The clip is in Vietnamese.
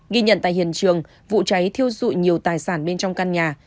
ghi nhận tại hiện trường vụ cháy thiêu dụi nhiều tài sản bên trong căn nhà